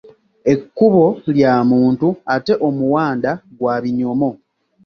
Ekkubo lya muntu ate omuwanda gwa binyomo.